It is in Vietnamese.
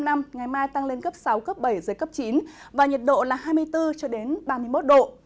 ngày mai tăng lên cấp sáu cấp bảy giới cấp chín và nhiệt độ là hai mươi bốn cho đến ba mươi một độ